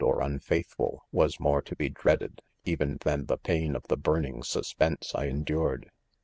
or unfaithful was more to be dreaded, . even than the pain of the burning 'Suspense I endured.